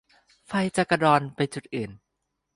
ไฟจะกระดอนไปจุดอื่น